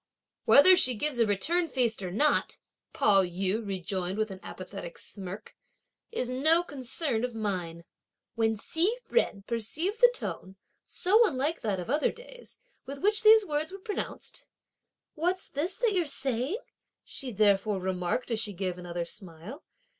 "Whether she gives a return feast or not," Pao yü rejoined with an apathetic smirk, "is no concern of mine!" When Hsi Jen perceived the tone, so unlike that of other days, with which these words were pronounced: "What's this that you're saying?" she therefore remarked as she gave another smile.